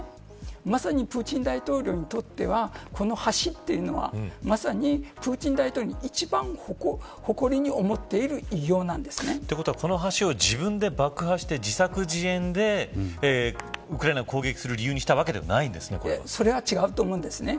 まさにプーチン大統領にとってはこの橋というのはまさにプーチン大統領に一番誇りに思っている偉業なんです。ということはこの橋を自分で爆破して自作自演でウクライナを攻撃する理由にしたわけでそれは違うと思うんですね。